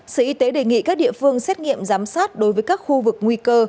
sở y tế đề nghị các địa phương xét nghiệm giám sát đối với các khu vực nguy cơ